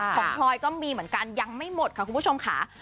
พลอยก็มีเหมือนกันยังไม่หมดค่ะคุณผู้ชมค่ะ